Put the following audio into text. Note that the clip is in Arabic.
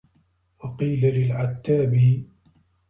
وَقِيلَ لِلْعَتَّابِيِّ